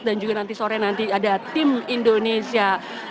dan juga nanti sore nanti ada tim indonesia